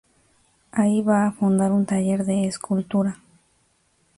Allí va a fundar un taller de escultura.